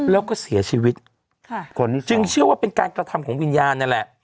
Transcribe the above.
แล้วก็เสียชีวิตค่ะขนจึงเชื่อว่าเป็นการกระทำของวิญญาณนั่นแหละ